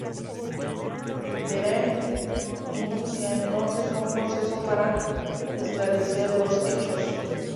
Vera inicia entonces un proceso para esclarecer los hechos.